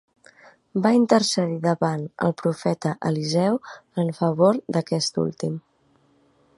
Va intercedir davant el profeta Eliseu en favor d'aquest últim.